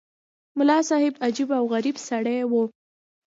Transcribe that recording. ملا صاحب عجیب او غریب سړی وو.